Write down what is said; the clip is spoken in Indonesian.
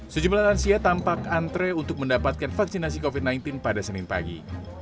sejumlah lansia tampak antre untuk mendapatkan vaksinasi covid sembilan belas pada senin pagi